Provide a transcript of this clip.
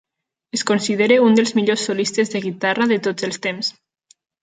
Es considera un dels millors solistes de guitarra de tots els temps.